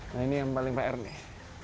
nah ini yang paling pr nih